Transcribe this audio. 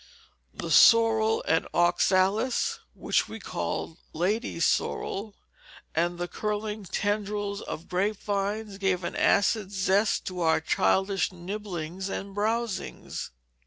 The sorrel and oxalis (which we called "ladies' sorrel") and the curling tendrils of grape vines gave an acid zest to our childish nibblings and browsings.